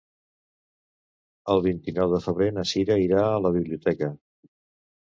El vint-i-nou de febrer na Sira irà a la biblioteca.